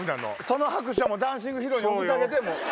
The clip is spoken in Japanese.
その拍手はダンシングヒーローに送ってあげて。